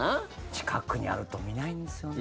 近くにあると見ないんですよね。